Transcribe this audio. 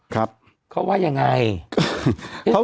แต่หนูจะเอากับน้องเขามาแต่ว่า